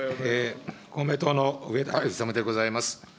公明党の上田勇でございます。